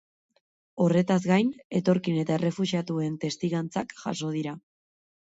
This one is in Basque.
Horretaz gain, etorkin eta errefuxiatuen testigantzak jaso dira.